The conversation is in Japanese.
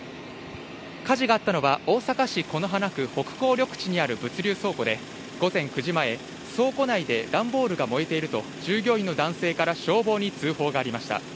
火事があったのは大阪市此花区北港緑地にある物流倉庫で、午前９時前倉庫内で段ボールが燃えていると従業員の男性から消防に通報がありました。